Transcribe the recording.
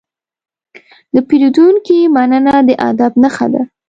د پیرودونکي مننه د ادب نښه ده.